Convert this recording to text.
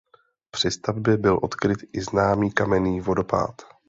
Při stavbě byl odkryt i známý kamenný vodopád.